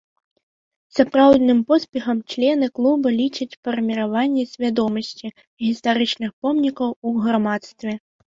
Сапраўдным поспехам члены клуба лічаць фарміраванне свядомасці гістарычных помнікаў у грамадстве.